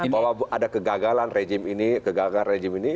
bahwa ada kegagalan rejim ini